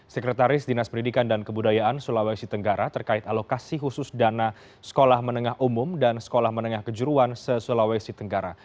sekretaris dinas pendidikan dan kebudayaan sulawesi tenggara terkait alokasi khusus dana sekolah menengah umum dan sekolah menengah kejuruan se sulawesi tenggara